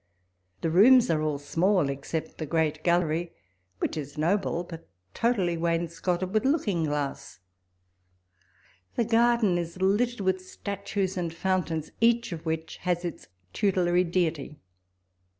The rooms are all small, except the great gallery, which is 20 Walpole's Letters. noble, but totally wainscoted with looking glass. The garden is littered with statues and fountains, each of which has its tutelary deity.